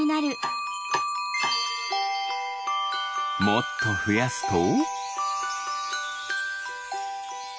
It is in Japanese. もっとふやすと。